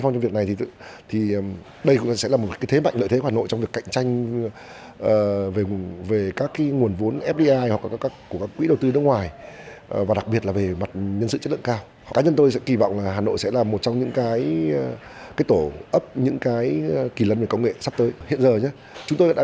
còn chưa biết là có đúng hay sai